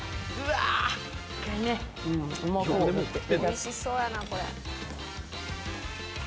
おいしそうやなこれ。